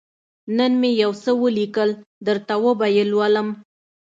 _نن مې يو څه ولېکل، درته وبه يې لولم.